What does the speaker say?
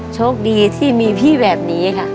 โชคดีที่มีพี่แบบนี้ค่ะ